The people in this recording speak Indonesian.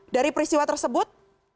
dari peristiwa tersebut